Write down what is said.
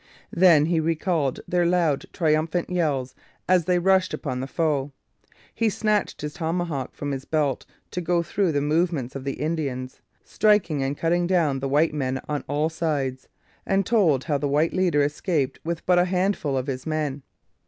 Then he recalled their loud, triumphant yells as they rushed upon the foe. He snatched his tomahawk from his belt to go through the movements of the Indians striking and cutting down the white men on all sides, and told how the white leader escaped with but a handful of his men.